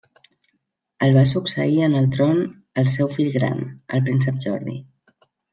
El va succeir en el tron el seu fill gran, el príncep Jordi.